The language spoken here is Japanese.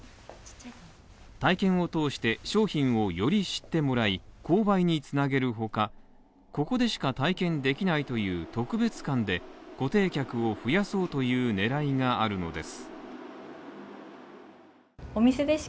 体験を通して商品をより知ってもらい購買につなげるほか、ここでしか体験できないという特別感で固定客を増やそうという狙いがあるのです。